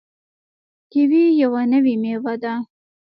کیوي یوه نوې میوه ده.